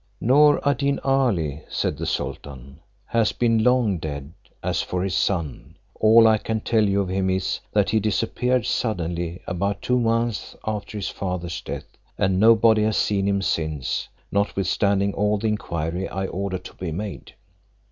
"Noor ad Deen Ali," said the sultan, "has been long dead; as for his son, all I can tell you of him is, that he disappeared suddenly, about two months after his father's death, and nobody has seen him since, notwithstanding all the inquiry I ordered to be made.